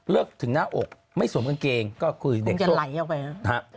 เลิกถึงหน้าอกไม่สวมกางเกงก็คือเด็กสวน